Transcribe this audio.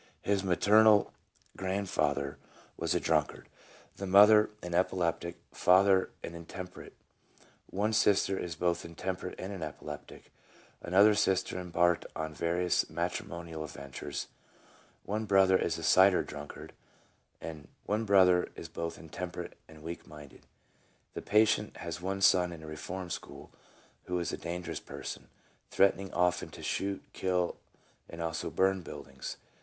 His maternal grandfather was a drunkard, the mother an epileptic, father was intemperate, one sister is both intemperate and an epileptic, another sister embarked on various matrimonial adventures, one brother is a cider drunkard, one half brother is both intemperate and weak minded. The patient has one son in a reform school, who is a dangerous person, threatening often to shoot, kill, and also burn buildings.